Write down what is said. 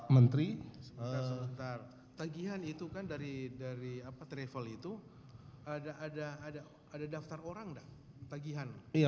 menteri tagihan itu kan dari dari apa travel itu ada ada ada ada daftar orang tak tagihan iya